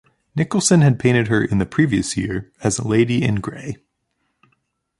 Nicholson had painted her in the previous year as "Lady in Grey".